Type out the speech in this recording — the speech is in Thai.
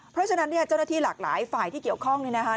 เพราะฉะนั้นเนี่ยเจ้าหน้าที่หลากหลายฝ่ายที่เกี่ยวข้องเนี่ยนะคะ